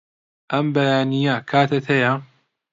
ئەم بەیانییە کاتت هەیە؟